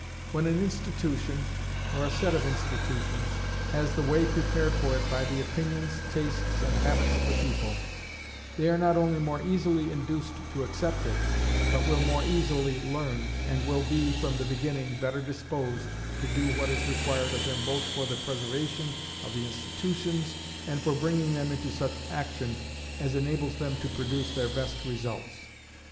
When an institution, or a set of institutions, has the way prepared for it by the opinions, tastes, and habits of the people, they are not only more easily induced to accept it, but will more easily learn, and will be, from the beginning, better disposed, to do what is required of them both for the preservation of the institutions, and for bringing them into such action as enables them to produce their best results.